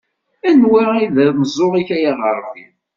Anwa ay d ameẓẓuɣ-ik a yaɣerbi?